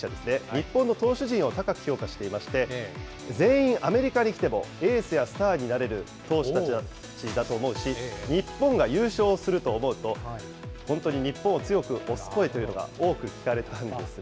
日本の投手陣を高く評価していまして、全員アメリカに来てもエースやスターになれる投手たちだと思うし、日本が優勝すると思うと、本当に日本を強く推す声というのが多く聞かれたんですね。